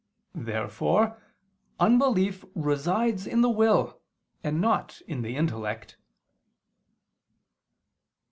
Therefore unbelief resides in the will and not in the intellect.